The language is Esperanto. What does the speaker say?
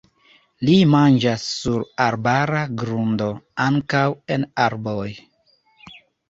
Ii manĝas sur arbara grundo, ankaŭ en arboj.